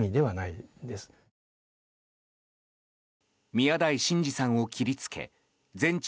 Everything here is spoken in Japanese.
宮台真司さんを切りつけ全治